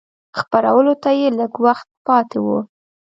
خپرولو ته یې لږ وخت پاته و.